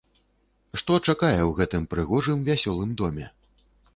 Што чакае ў гэтым прыгожым вясёлым доме?